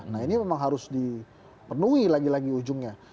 nah ini memang harus dipenuhi lagi lagi ujungnya